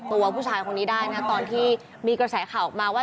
ตัวผู้ชายคนนี้ได้นะตอนที่มีกระแสข่าวออกมาว่า